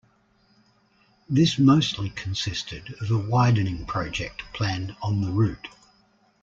This mostly consisted of a widening project planned on the route.